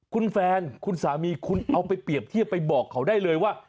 คุณแฟนคุณสามีคุณเอาไปเปรียบเทียบไปบอกเขาได้เลยว่า